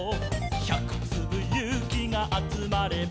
「１００つぶゆうきがあつまれば」